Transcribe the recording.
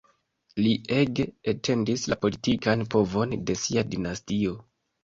Li ege etendis la politikan povon de sia dinastio.